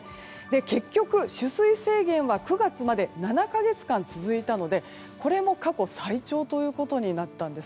結局、取水制限は９月まで７か月間続いたのでこれも過去最長となったんです。